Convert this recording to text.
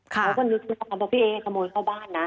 เขาก็นึกแล้วว่าพี่เอ๊ขโมยเข้าบ้านนะ